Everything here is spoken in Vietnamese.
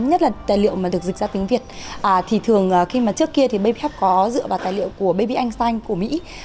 nhất là tài liệu mà được dịch ra tiếng việt thì thường khi mà trước kia thì babyhub có dựa vào tài liệu của baby einstein của mỹ